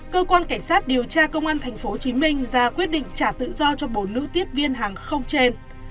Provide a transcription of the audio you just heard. cơ quan cảnh sát điều tra công an tp hcm ra quyết định trả tự do cho bốn nữ tiếp viên hàng không trên